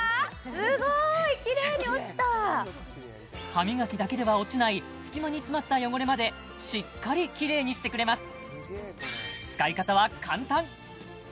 すごいキレイに落ちためっちゃキレイ歯磨きだけでは落ちない隙間に詰まった汚れまでしっかりキレイにしてくれます